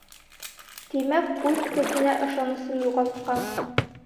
Тимәк, үҙ көсөнә ышанысын юғалтҡан.